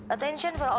aduh kena kena